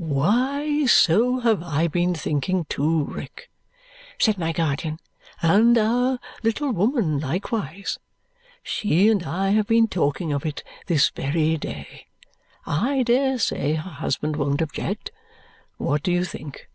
"Why, so have I been thinking too, Rick," said my guardian, "and our little woman likewise; she and I have been talking of it this very day. I dare say her husband won't object. What do you think?"